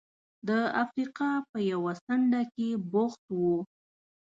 د افریقا په یوه څنډه کې بوخت و.